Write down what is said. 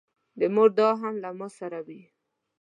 د مور دعا هم له ما سره وي.